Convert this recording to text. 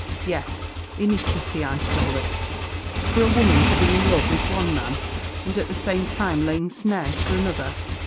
Yes, iniquity I call it, for a woman to be in love with one man, and at the same time laying snares for another.